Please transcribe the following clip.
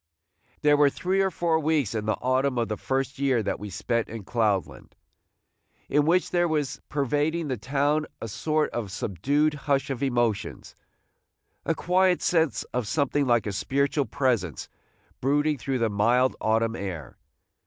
There were three or four weeks in the autumn of the first year that we spent in Cloudland, in which there was pervading the town a sort of subdued hush of emotions, – a quiet sense of something like a spiritual presence brooding through the mild autumn air.